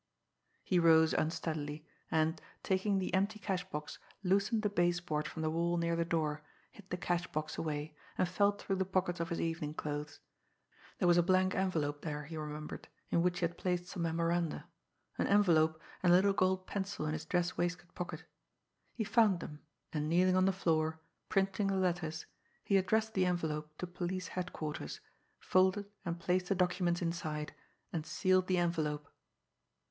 He rose unsteadily, and, taking the empty cash box, loosened the base board from the wall near the door, hid the cash box away, and felt through the pockets of his evening clothes there was a blank envelope there, he remembered, in which he had placed some memoranda an envelope, and the little gold pencil in his dress waistcoat pocket. He found them, and, kneeling on the floor, printing the letters, he addressed the envelope to police headquarters, folded and placed the documents inside, and sealed the envelope.